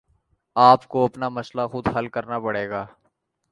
آپ کو اپنا مسئلہ خود حل کرنا پڑے گا